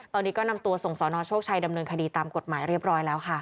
ตอนนี้ก็นำตัวส่งสนโชคชัยดำเนินคดีตามกฎหมายเรียบร้อยแล้วค่ะ